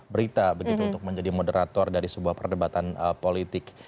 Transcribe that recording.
berita begitu untuk menjadi moderator dari sebuah perdebatan politik